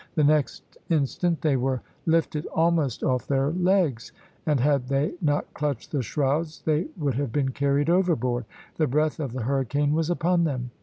The next instant they were lifted almost off their legs, and had they not clutched the shrouds they would have been carried overboard. The breath of the hurricane was upon them.